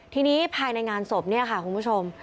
ทีนี้ภายในงานศพเนี่ยค่ะคุณผู้ชม